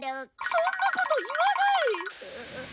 そんなこと言わない！